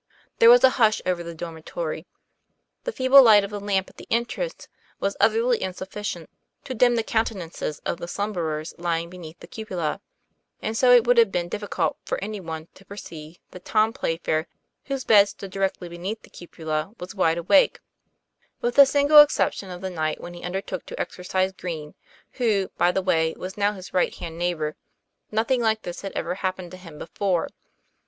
There was a hush over the dormitory. The feeble light of the lamp at the entrance was utterly insuffi cient to limn the countenances of the slumberers lying beneath the cupola; and so it would have been difficult for any one to perceive that Tom Playfair, whose bed stood directly beneath the cupola, was TOM PLAYFAIR. Ill "wide awake. With the single exception of the night when he undertook to exorcise Green, who, by the way, was now his right hand neighbor, nothing like this had ever happened to him before.